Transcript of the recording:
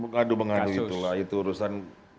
kado mengado itulah itu urusan